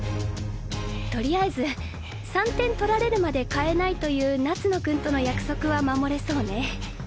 とりあえず３点取られるまで代えないという夏野君との約束は守れそうね。